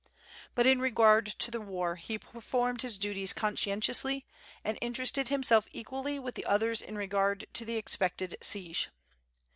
But in regard to the war, he performed his duties conscientiously and interested him self equally with the others in regard to the expected siege.